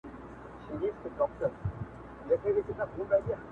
اورېدلې مي په کور کي له کلو ده!.